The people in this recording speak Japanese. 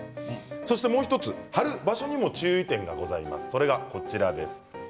そして、もう１つ貼る場所にも注意点がございます。